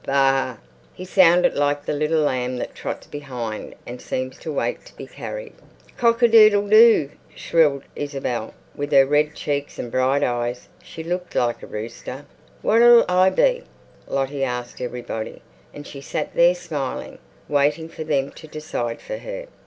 Baa!" He sounded like the little lamb that trots behind and seems to wait to be carried. "Cock a doodle do!" shrilled Isabel. With her red cheeks and bright eyes she looked like a rooster. "What'll I be?" Lottie asked everybody, and she sat there smiling, waiting for them to decide for her.